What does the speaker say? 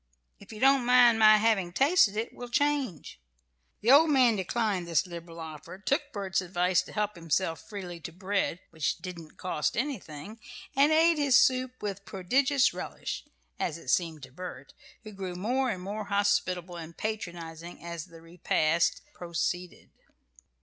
If you don't mind my having tasted it, we'll change." The old man declined this liberal offer, took Bert's advice to help himself freely to bread, which "didn't cost anything," and ate his soup with prodigious relish, as it seemed to Bert, who grew more and more hospitable and patronizing as the repast proceeded.